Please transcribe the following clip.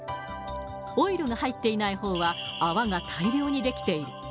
オイルが入っていないほうは、泡が大量に出来ている。